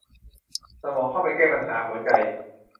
สมองเข้าไปแก้ปัญหาหัวใจ